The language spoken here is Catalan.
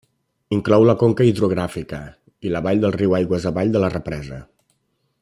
Inclou la conca hidrogràfica i la vall del riu aigües avall de la represa.